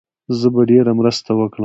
زه به ډېره مرسته وکړم.